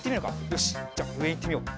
よしじゃあうえいってみよう。